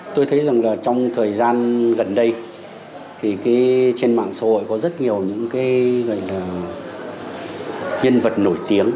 tôi thấy rằng trong thời gian gần đây thì trên mạng xã hội có rất nhiều những nhân vật nổi tiếng